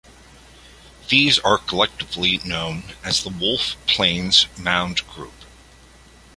These are collectively known as the Wolf Plains Mound Group.